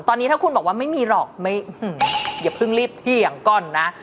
ตอนนี้ถ้าคุณบอกว่าไม่มีหรอกอย่าเพิ่งรีบเถียงก่อนนะ